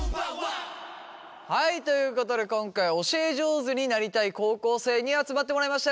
はいということで今回は教え上手になりたい高校生に集まってもらいました。